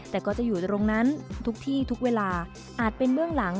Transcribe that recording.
แต่ก็จะอยู่ตรงนั้นทุกที่ทุกเวลาอาจเป็นเบื้องหลัง